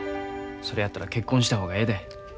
それやったら結婚した方がええで。